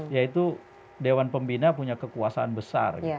yaitu dewan pembina punya kekuasaan besar